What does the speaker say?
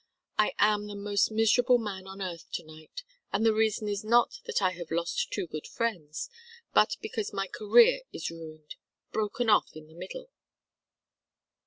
"I am the most miserable man on earth to night, and the reason is not that I have lost two good friends, but because my career is ruined, broken off in the middle."